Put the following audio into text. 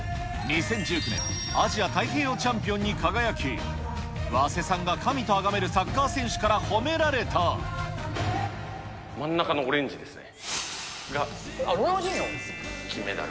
２０１９年、アジア太平洋チャンピオンに輝き、早稲さんが神とあがめるサッカー真ん中のオレンジですね。